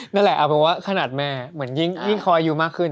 นั่นแหละเอาเป็นว่าขนาดแม่เหมือนยิ่งคอยอายุมากขึ้น